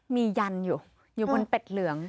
มียันอยู่อยู่บนเป็ดเหลือง